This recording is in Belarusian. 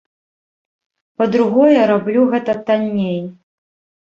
Па-другое, раблю гэта танней.